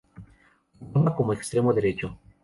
Jugaba como extremo derecho.